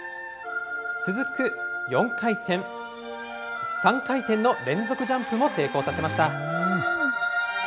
続く４回転、３回転の連続ジャンプも成功させました。